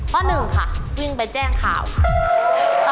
หนึ่งค่ะวิ่งไปแจ้งข่าวค่ะ